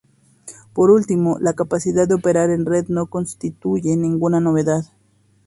Por último, la capacidad de operar en red no constituye ninguna novedad.